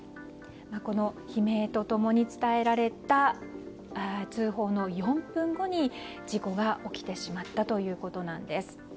この悲鳴と共に伝えられた通報の４分後に事故が起きてしまったということなんです。